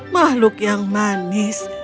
makhluk yang manis